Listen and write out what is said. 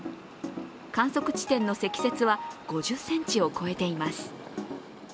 観測地点の積雪は５０ｃｍを超えています。